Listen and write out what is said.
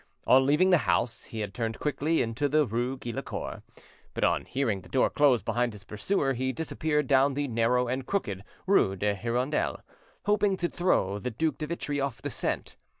On leaving the house he had turned quickly into the rue Git le Coeur; but on hearing the door close behind his pursuer he disappeared down the narrow and crooked rue de l'Hirondelle, hoping to throw the Duc de Vitry off the scent.